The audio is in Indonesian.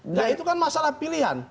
nah itu kan masalah pilihan